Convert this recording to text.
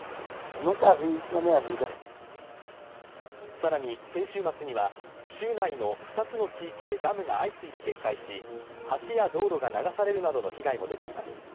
更に先週末には、州内の２つの地域でダムが相次いで決壊し、橋や道路が流されるなどの被害も出ています。